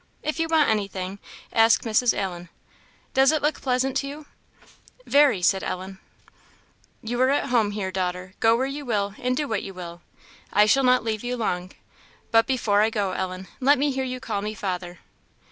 If you want anything, ask Mrs. Allen. Does it look pleasant to you?" "Very," Ellen said. "You are at home here, daughter; go where you will, and do what you will. I shall not leave you long. But before I go, Ellen, let me hear you call me father."